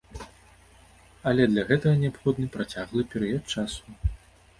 Але для гэтага неабходны працяглы перыяд часу.